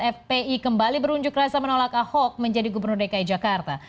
fpi kembali berunjuk rasa menolak ahok menjadi gubernur dki jakarta